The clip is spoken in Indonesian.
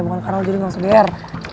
bukan karena lo jadi ngangseber